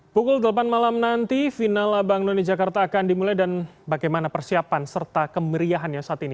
pukul delapan malam nanti final abang none jakarta akan dimulai dan bagaimana persiapan serta kemeriahannya saat ini